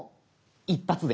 一発で。